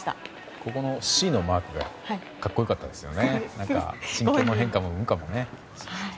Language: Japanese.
ここのＣのマークが格好良かったですね。